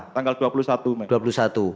tanggal dua puluh satu mei